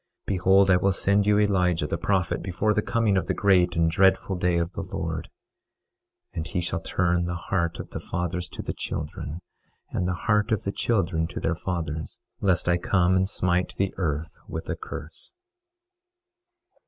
25:5 Behold, I will send you Elijah the prophet before the coming of the great and dreadful day of the Lord; 25:6 And he shall turn the heart of the fathers to the children, and the heart of the children to their fathers, lest I come and smite the earth with a curse.